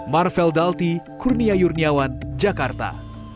marvel dalti kurnia yurniawan jakarta